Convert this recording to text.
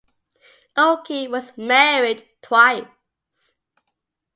Oakie was married twice.